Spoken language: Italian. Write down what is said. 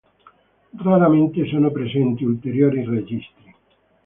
Raramente sono presenti ulteriori registri.